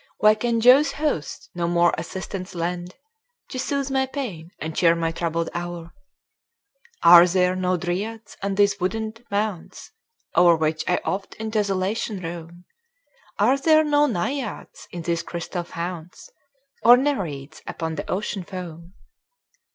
Why can Jove's host no more assistance lend, To soothe my pains, and cheer my troubled hour? Are there no Dryads on these wooded mounts O'er which I oft in desolation roam? Are there no Naiads in these crystal founts? Nor Nereids upon the Ocean foam?